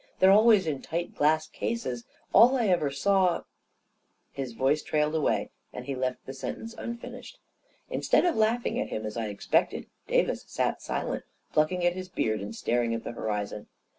They're always in tight glass cases — all I ever saw ..." His voice trailed away, and he left the sentence unfinished. Instead of laughing at him, as I ex pected, Davis sat silent, plucking at his beard, and staring at the horizon.